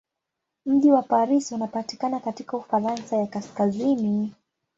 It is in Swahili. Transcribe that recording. Mji wa Paris unapatikana katika Ufaransa ya kaskazini.